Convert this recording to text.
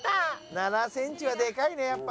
７センチはでかいねやっぱ。